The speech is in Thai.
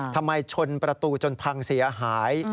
ทำไมชนประตูจนพังเสียหาย